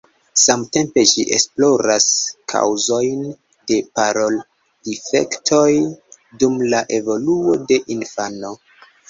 Samtempe ĝi esploras kaŭzojn de parol-difektoj dum la evoluo de infano.